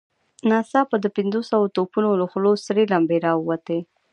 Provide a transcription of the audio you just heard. ناڅاپه د پنځوسو توپونو له خولو سرې لمبې را ووتې.